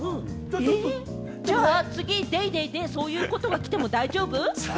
じゃあ、次『ＤａｙＤａｙ．』でそういうことが来ても大丈夫？